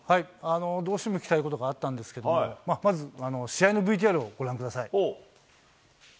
どうしても聞きたいことがあったんですけども、まず、試合のＶＴＲをご覧ください。